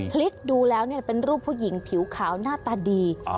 พลิกดูแล้วเป็นรูปผู้หญิงผิวขาวหน้าตาดี